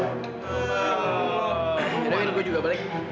mas darwin gue juga balik